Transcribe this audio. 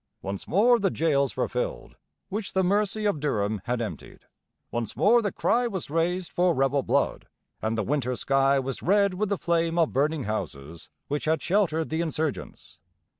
Once more the jails were filled, which the mercy of Durham had emptied. Once more the cry was raised for rebel blood, and the winter sky was red with the flame of burning houses which had sheltered the insurgents.